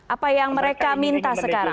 apa yang mereka minta sekarang